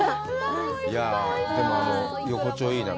でも、横丁、いいなぁ。